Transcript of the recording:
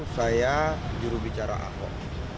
saya juru bicara ahok